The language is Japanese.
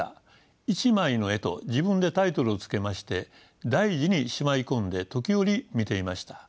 「一枚の絵」と自分でタイトルを付けまして大事にしまい込んで時折見ていました。